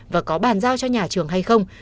và có bàn giao cho nhà trường hay không